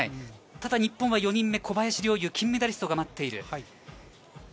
日本は４人目、小林陵侑、金メダリストが待っている。